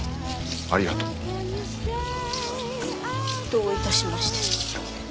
どういたしまして。